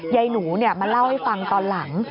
ยายหนูมาเล่าให้ฟังตอนหลัง